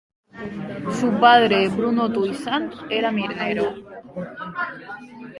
Su padre, Bruno Toussaint, era minero.